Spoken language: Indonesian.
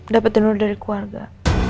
dapat donor dari keluarga